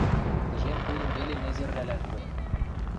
Тӹжем пудым веле незервлӓлӓн пуэм.